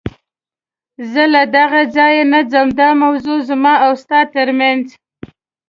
زه له دغه ځایه نه ځم، دا موضوع زما او ستا تر منځ.